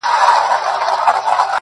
عقل مرشد کړه، عقل پير، عقل امام هلکه